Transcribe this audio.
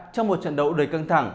trong một trận đấu đầy căng thẳng